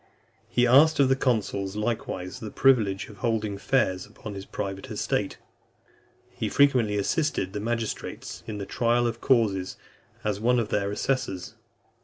He asked of the consuls likewise the privilege of holding fairs upon his private estate. He frequently assisted the magistrates in the trial of causes, as one of their assessors.